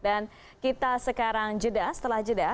dan kita sekarang jeda setelah jeda